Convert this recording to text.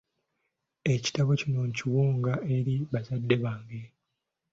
Ekitabo kino nkiwonga eri bazadde bange.